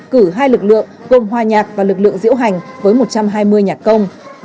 cử hai lực lượng gồm hoa nhạc và lực lượng diễu hành với một trăm hai mươi nhân dân